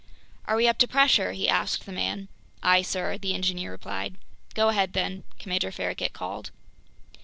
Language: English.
"Are we up to pressure?" he asked the man. "Aye, sir," the engineer replied. "Go ahead, then!" Commander Farragut called.